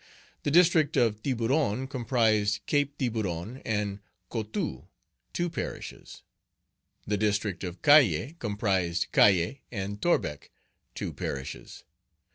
The District of Tiburon comprised Cape Tiburon and Coteaux, two parishes. The District of Cayes comprised Cayes and Torbeck, two parishes.